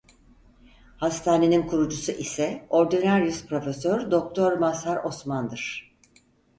Hastanenin kurucusu ise Ordünaryüs Profesör Doktor Mazhar Osman'dır.